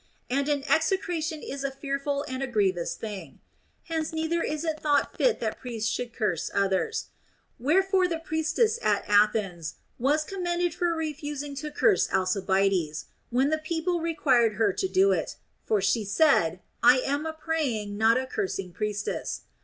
And an execration is a fearful and a grievous thing. Hence neither is it thought fit that priests should curse others. Where fore the priestess at Athens was commended for refusing to curse Alcibiades, when the people required her to do it ; for she said, I am a praying not a cursing priestess.